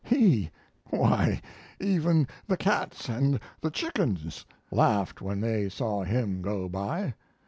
He! why, even the cats and the chickens laughed when they saw him go by.